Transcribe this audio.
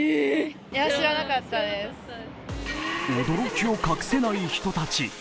驚きを隠せない人たち。